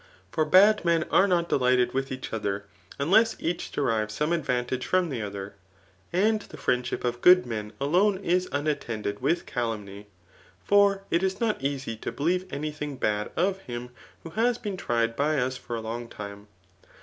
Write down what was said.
For bad men are not delighted with each other, unless each derives some advantage from the other. And the friendship of good men alone is unattended with calumny ; for it is not easy to believe any thing [hzd] of him, who has been tried by us for a long time.